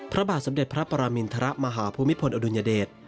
พระบาทสำเด็จพระปรามิณฑระมหาภูมิพลอดุญเดช